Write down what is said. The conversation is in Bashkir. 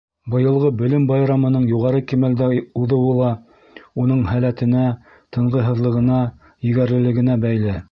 Быйылғы Белем байрамының юғары кимәлдә уҙыуы ла уның һәләтенә, тынғыһыҙлығына, егәрлелегенә бәйле.